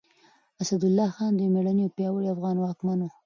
اسدالله خان يو مېړنی او پياوړی افغان واکمن و.